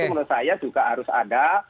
itu menurut saya juga harus ada